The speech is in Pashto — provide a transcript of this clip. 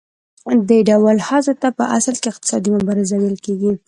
دې ډول هڅو ته په اصل کې اقتصادي مبارزه ویل کېږي